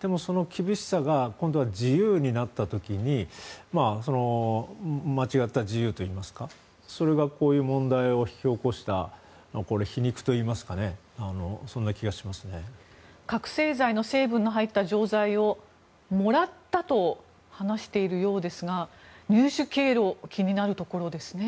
でも、その厳しさが今度は自由になった時に間違った自由といいますかそれがこういう問題を引き起こした皮肉といいますか覚醒剤の成分の入った錠剤をもらったと話しているようですが入手経路気になるところですね。